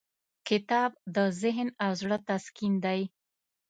کتاب د ذهن او زړه تسکین دی.